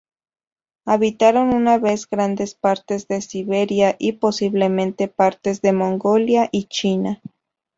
Habitaron una vez grandes partes de Siberia y posiblemente partes de Mongolia y China.